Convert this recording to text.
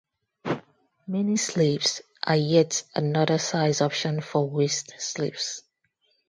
"Mini slips" are yet another size option for waist slips.